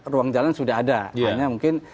ruang jalan sudah ada hanya mungkin